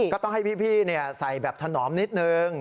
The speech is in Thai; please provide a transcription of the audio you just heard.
ก็ต้องให้พี่ใส่แบบถนอมนิดนึง